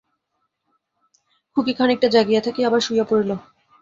খুকী খানিকটা জাগিয়া থাকিয়া আবার শুইয়া পড়িল।